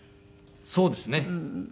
そうですね。